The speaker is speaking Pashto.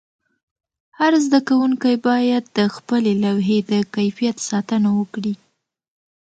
هر زده کوونکی باید د خپلې لوحې د کیفیت ساتنه وکړي.